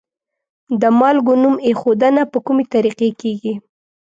د مالګو نوم ایښودنه په کومې طریقې کیږي؟